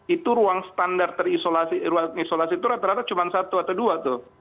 itu ruang standar terisolasi itu rata rata cuma satu atau dua tuh